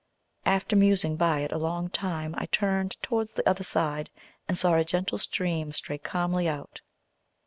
After musing by it a long time I turned towards the other side, and saw a gentle stream stray calmly out.